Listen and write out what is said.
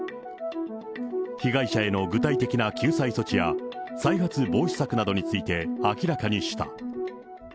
被害者への具体的な救済措置や、再発防止策などについて明らかにした。